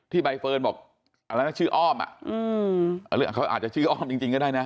พี่ใบเฟิร์นบอกชื่ออ้อมหรือเขาอาจจะชื่ออ้อมจริงก็ได้นะ